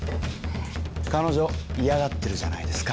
彼女嫌がってるじゃないですか。